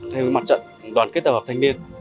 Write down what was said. thêm mặt trận đoàn kết tập hợp thanh niên